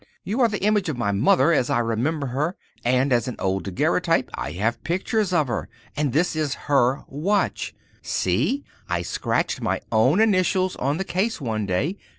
You are the image of my mother, as I remember her, and as an old daguerreotype I have pictures her. And this is her watch—see, I scratched my own initials on the case one day.